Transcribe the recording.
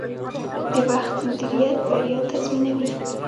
د وخت مدیریت بریا تضمینوي.